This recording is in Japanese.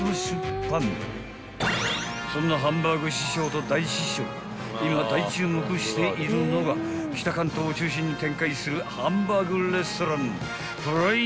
［そんなハンバーグ師匠と大師匠が今大注目しているのが北関東を中心に展開するハンバーグレストラン］